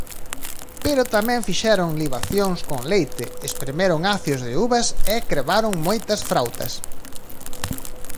Pero tamén fixeron libacións con leite, espremeron acios de uvas e crebaron moitas frautas.